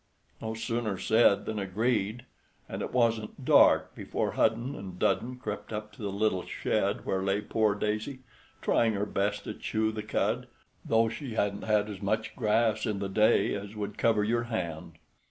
No sooner said than agreed; and it wasn't dark before Hudden and Dudden crept up to the little shed where lay poor Daisy, trying her best to chew the cud, though she hadn't had as much grass in the day as would cover your hand.